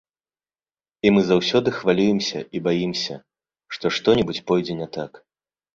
І мы заўсёды хвалюемся і баімся, што што-небудзь пойдзе не так.